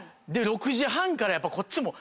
６時半からやっぱこっちも。